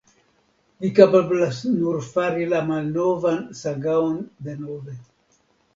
Vi kapablas nur fari la malnovan sagaon denove.